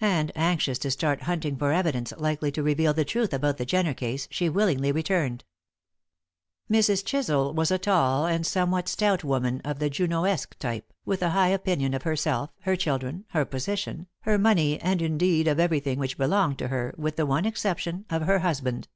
And anxious to start hunting for evidence likely to reveal the truth about the Jenner case, she willingly returned. Mrs. Chisel was a tall and somewhat stout woman of the Junoesque type, with a high opinion of herself, her children, her position, her money, and, indeed, of everything which belonged to her, with the one exception of her husband.